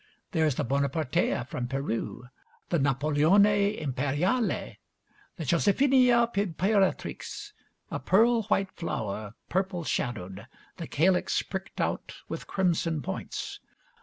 There is the 'Bonapartea' from Peru; the 'Napoleone Imperiale'; the 'Josephinia Imperatrix', a pearl white flower, purple shadowed, the calix pricked out with crimson points.